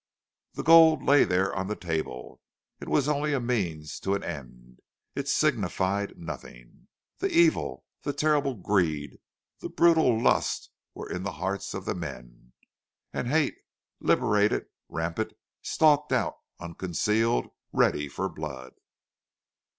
The gold lay there on the table. It was only a means to an end. It signified nothing. The evil, the terrible greed, the brutal lust, were in the hearts of the men. And hate, liberated, rampant, stalked out unconcealed, ready for blood.